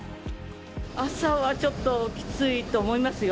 朝はちょっときついと思いますよ。